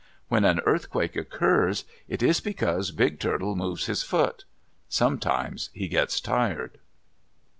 When an earthquake occurs, it is because Big Turtle moves his foot. Sometimes he gets tired.